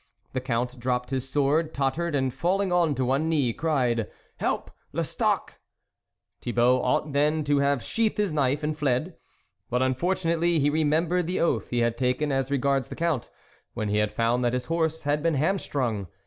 The Count dropped his sword, tottered, and falling on to one knee, cried ' Help, Lestocq !" Thibault ought then to have sheathed his knife and fled ; but, unfortunately, he remembered the oath he had taken as re gards the Count, when he had found that his horse had been hamstrung.